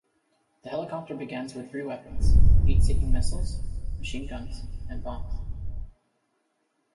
The helicopter begins with three weapons: heat-seeking missiles, machine guns, and bombs.